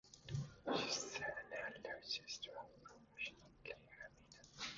She is an elder sister of professional player Amina.